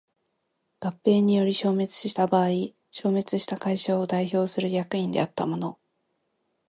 合併により消滅した場合消滅した会社を代表する役員であった者